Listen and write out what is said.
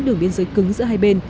đường biên giới cứng giữa hai bên